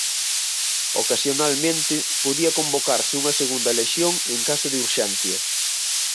Ocasionalmente podía convocarse unha segunda lexión en caso de urxencia.